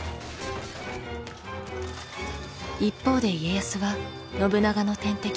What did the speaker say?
一方で家康は信長の天敵